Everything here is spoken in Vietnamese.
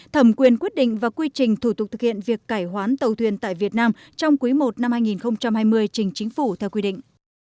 thẩm quyền quyết định và quy trình thủ tục thực hiện việc cải hoán tàu thuyền tại việt nam trong quý i năm hai nghìn hai mươi trình chính phủ theo quy định